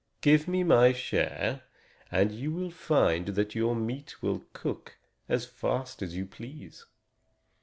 "Give me my share, and you will find that your meat will cook as fast as you please."